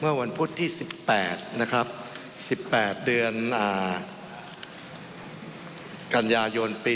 เมื่อวันพฤษที่สิบแปดนะครับสิบแปดเดือนอ่ากันยยงตปี